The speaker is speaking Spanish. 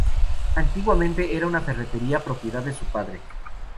Antiguamente era una ferretería propiedad de su padre.